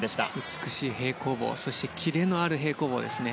美しい平行棒そしてキレのある平行棒です。